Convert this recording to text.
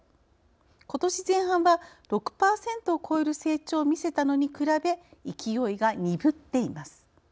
ことし前半は６％を超える成長を見せたのに比べ勢いが鈍っています。